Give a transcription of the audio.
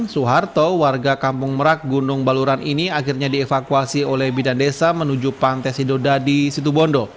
suharto warga kampung merak gunung baluran ini akhirnya dievakuasi oleh bidan desa menuju pantai sidoda di situbondo